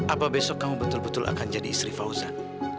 apa besok kamu betul betul akan jadi istri fauzan